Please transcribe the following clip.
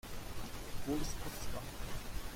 Wo ist Potsdam?